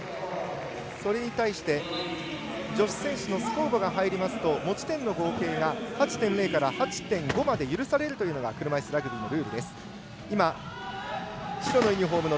それに対して女子選手のスコウボが入りますと持ち点の合計が８．０から８．５まで許されるというのが車いすラグビーのルールです。